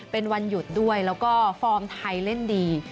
เป็นวันหยุดด้วยแล้วก็ฟอร์มไทยเล่นดี